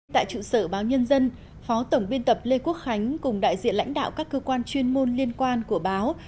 tại trụ sở báo nhân dân phó tổng biên tập lê quốc khánh cùng đại diện lãnh đạo các cơ quan chuyên môn liên quan của báo